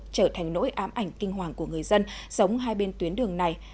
trở thành nỗi ám ảnh kinh hoàng của người dân sống hai bên tuyến đường này